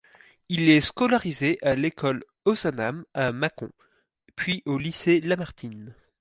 Il est scolarisé à l’école Ozanam à Mâcon, puis au lycée Lamartine.